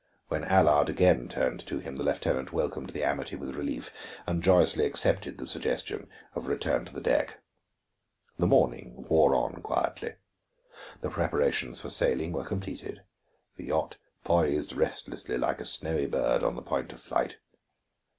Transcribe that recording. When Allard again turned to him, the lieutenant welcomed the amity with relief and joyously accepted the suggestion of return to the deck. The morning wore on quietly. The preparations for sailing were completed; the yacht poised restlessly like a snowy bird on the point of flight.